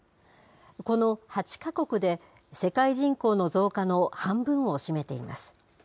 この８か国で、世界人口の増加の半分を占めています。